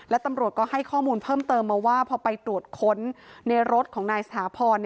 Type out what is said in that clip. และตำรวจก็ให้ข้อมูลเพิ่มเติมมาว่าพอไปตรวจค้นในรถของนายสถาพร